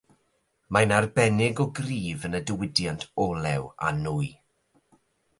Mae'n arbennig o gryf yn y diwydiant olew a nwy.